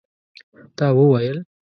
تا وویل?